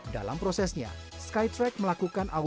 dalam prosesnya skytrack melakukan awal